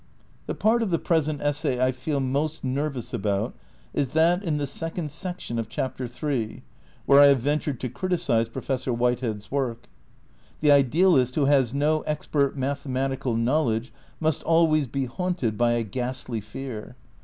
The part of the present essay I feel most nervous about is that in the second section of Chapter III, where I have ventured to criticise Professor White head's work. The idealist who has no expert math ematical knowledge must always be haunted by a ghastly fear.